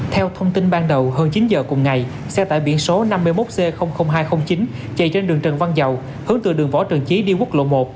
theo thông tin ban đầu hơn chín giờ cùng ngày xe tải biển số năm mươi một c hai trăm linh chín chạy trên đường trần văn dầu hướng từ đường võ trần trí đi quốc lộ một